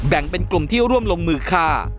แบ่งเป็นกลุ่มที่ร่วมลงมือฆ่า